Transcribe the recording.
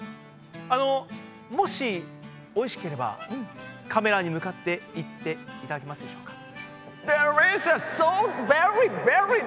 あのもしおいしければカメラに向かって言っていただけますでしょうか。